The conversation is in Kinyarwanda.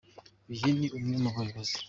Uyu ni n’umwe mu bayobozi.